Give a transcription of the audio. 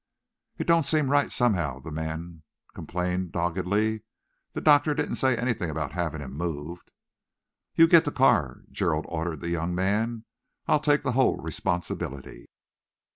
"It don't seem right, somehow," the man complained doggedly. "The doctor didn't say anything about having him moved." "You get the car," Gerald ordered the young man. "I'll take the whole responsibility."